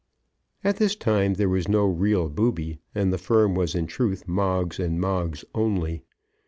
At this time there was no real Booby, and the firm was in truth Moggs, and Moggs only.